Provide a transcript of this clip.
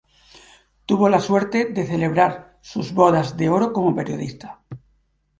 Tuvo la suerte de celebrar sus bodas de oro como periodista.